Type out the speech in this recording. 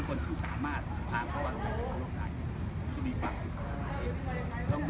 คนที่สามารถพาเขาออกไปทางโลกต่างที่มีความสุทธิ์